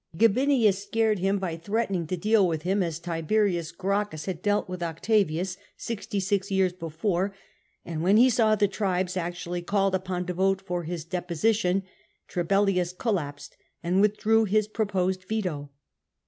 Gabinius scared him by threatening to deal with him as Tiberius Gracchus had dealt with Octavius sixty six years before, and when he saw the tribes actuidly called upon to vote for his de position, Trebellius collapsed and withdrew his proposed veto.